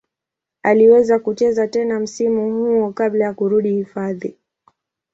Aliweza kucheza tena msimu huo kabla ya kurudi hifadhi.